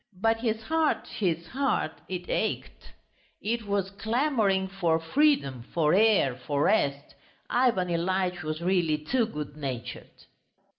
But his heart, his heart ... it ached! It was clamouring for freedom, for air, for rest. Ivan Ilyitch was really too good natured.